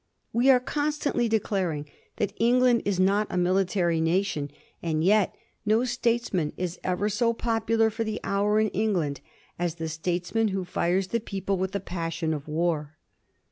We are constantly declaring that England is not a military nation, and yet no statesman is ever so popular for the hour in England as the statesman who fires the people with the passion of war.